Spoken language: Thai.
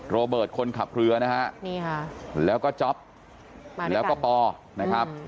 โรเบิร์ตคนขับเรือแล้วก็จ๊อปแล้วก็ปอด์